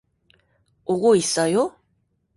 오고 있어요?